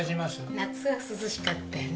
夏は涼しかったよね。